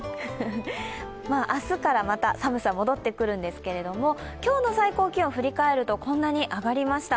明日からまた寒さが戻ってくるんですけども、今日の最高気温、振り返るとこんなに上がりました。